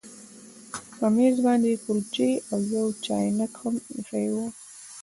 په میز باندې کلچې او یو چاینک هم ایښي وو